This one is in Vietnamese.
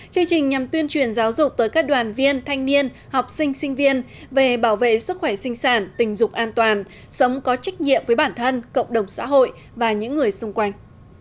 chương trình nhằm tuyên truyền giáo dục tới các đoàn viên thanh niên học sinh sinh viên về bảo vệ sức khỏe sinh sản tình dục an toàn sống có trách nhiệm với bản thân cộng đồng xã hội và những người xung quanh